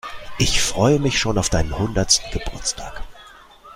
Ich freue mich schon auf deinen hundertsten Geburtstag.